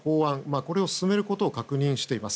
これを進めることを確認しています。